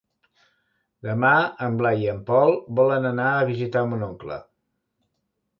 Demà en Blai i en Pol volen anar a visitar mon oncle.